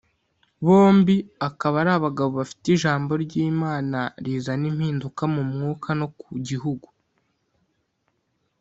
bombi akaba ari abagabo bafite ijambo ry'Imana rizana impinduka mu mwuka no ku gihugu